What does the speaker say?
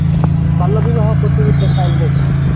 বাল্যবিবাহ প্রতিরোধে দেশে আইন হয়েছে।